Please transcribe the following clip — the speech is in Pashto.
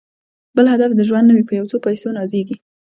بل هدف یې د ژوند نه وي په یو څو پیسو نازیږي